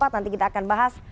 nanti kita akan bahas